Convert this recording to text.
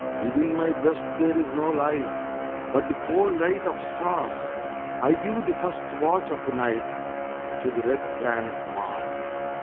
Within my breast there is no light, But the cold light of stars; I give the first watch of the night To the red planet Mars.